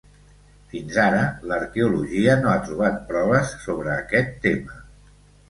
Fins ara, l'arqueologia no ha trobat proves sobre aquest tema.